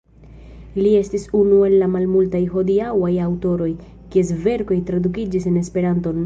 Li estis unu el la malmultaj hodiaŭaj aŭtoroj, kies verkoj tradukiĝis en Esperanton.